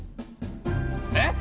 えっ！？